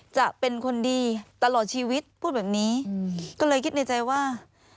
จะเป็นคนดีตลอดชีวิตพูดแบบนี้ก็เลยคิดในใจว่า